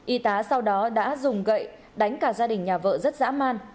y tá sau đó đã dùng gậy đánh cả gia đình nhà vợ rất dã man